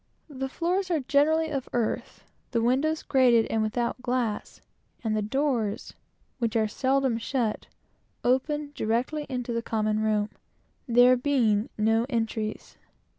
The floors are generally of earth, the windows grated and without glass; and the doors, which are seldom shut, open directly into the common room; there being no entries.